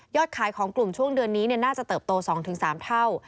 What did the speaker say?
ขายของกลุ่มช่วงเดือนนี้น่าจะเติบโต๒๓เท่า